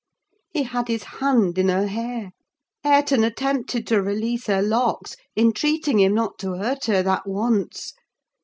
He had his hand in her hair; Hareton attempted to release her locks, entreating him not to hurt her that once.